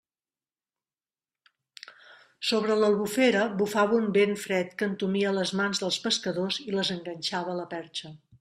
Sobre l'Albufera bufava un vent fred que entumia les mans dels pescadors i les enganxava a la perxa.